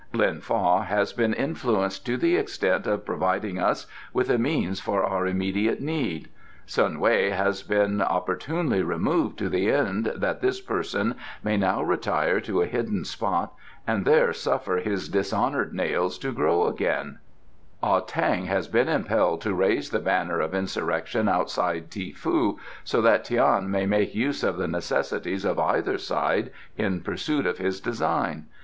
"Lin Fa has been influenced to the extent of providing us with the means for our immediate need; Sun Wei has been opportunely removed to the end that this person may now retire to a hidden spot and there suffer his dishonoured nails to grow again: Ah tang has been impelled to raise the banner of insurrection outside Ti foo so that Tian may make use of the necessities of either side in pursuit of his design.